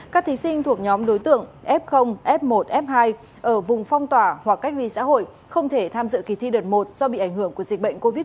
các thí sinh thuộc nhóm đối tượng f f một f hai ở vùng phong tỏa hoặc cách ly xã hội không thể tham dự kỳ thi đợt một do bị ảnh hưởng của dịch bệnh covid một mươi chín